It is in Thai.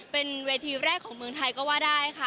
เป็นเวทีแรกของเมืองไทยก็ว่าได้ค่ะ